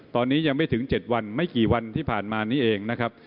ตอนนี้ยังไม่ถึง๗วันไม่กี่วันที่ผ่านมานี้เองนะครับ